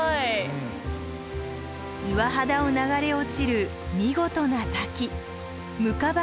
岩肌を流れ落ちる見事な滝。